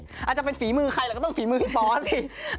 อาจจะเป็นฝีมือใครเราก็ต้องฝีมือพี่บอสสิ